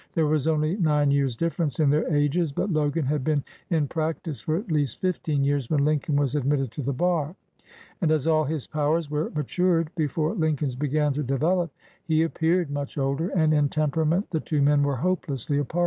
There was only nine years' differ ence in their ages, but Logan had been in prac tice for at least fifteen years when Lincoln was admitted to the bar; and, as all his powers were matured before Lincoln's began to develop, he appeared much older, and in temperament the two men were hopelessly apart.